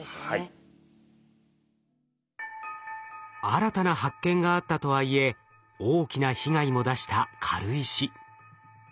新たな発見があったとはいえ大きな被害も出した軽石。